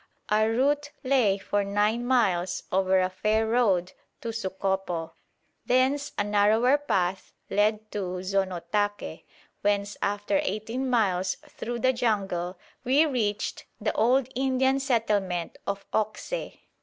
Our route lay for nine miles over a fair road to Sucopo. Thence a narrower path led to Zonotake, whence after eighteen miles through the jungle we reached the old Indian settlement of Occeh.